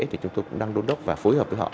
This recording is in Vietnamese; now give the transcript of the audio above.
thì chúng tôi cũng đang đôn đốc và phối hợp với họ